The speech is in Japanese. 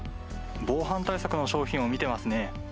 防犯対策の商品を見てますね。